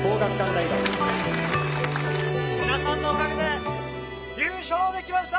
大学皆さんのおかげで優勝できました！